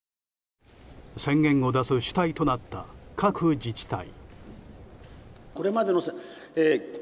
宣言を出す主体となった各自治体。